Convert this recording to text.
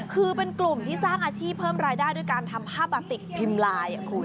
คือเป็นกลุ่มที่สร้างอาชีพเพิ่มรายได้ด้วยการทำผ้าบาติกพิมพ์ไลน์